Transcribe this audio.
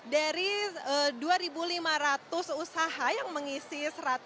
dari dua lima ratus usaha yang mengisi